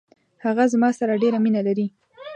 هغه زما سره ډیره مینه لري.